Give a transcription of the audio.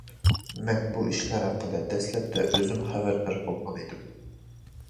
مەن بۇ ئىشلار ھەققىدە دەسلەپتە ئۆزۈم خەۋەردار بولغان ئىدىم.